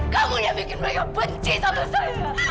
kamu yang bikin mereka benci sama saya